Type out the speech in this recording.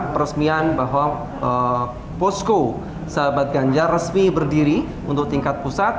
peresmian bahwa posko sahabat ganjar resmi berdiri untuk tingkat pusat